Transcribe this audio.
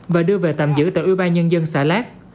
và đưa về tạm giữ tại ủy ban nhân dân xã lát